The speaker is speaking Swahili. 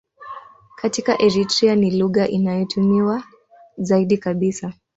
Katika Eritrea ni lugha inayotumiwa zaidi kabisa.